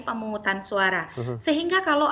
pemungutan suara sehingga kalau